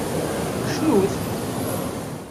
Cnut!